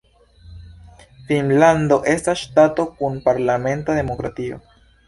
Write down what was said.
Finnlando estas ŝtato kun parlamenta demokratio.